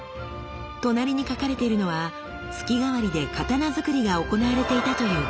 隣に書かれているのは月替わりで刀づくりが行われていたという記録。